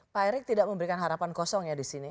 pak erick tidak memberikan harapan kosong ya di sini